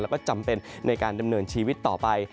แล้วก็จำเป็นในการดำเนินชีวิตต่อไป